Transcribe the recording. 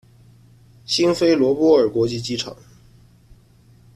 辛菲罗波尔国际机场。